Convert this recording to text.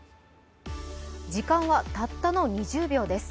時間はたったの２０秒です。